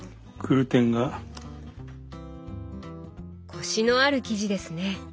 コシのある生地ですね。